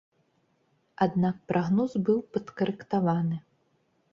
Аднак прагноз быў падкарэктаваны.